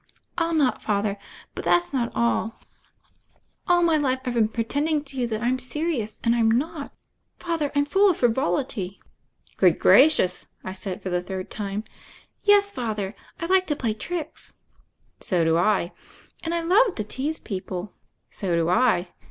"I'll not, Father; but that's not all. All my 152 THE FAIRY OF THE SNOWS life IVe been pretending to you that I'm seri ous, and Fm not. Father, I'm full of frivolity." Good gracious 1" I said for the third time. "Yes, Father, I like to play tricks." "So do L" "And I love to tease people." "So do I."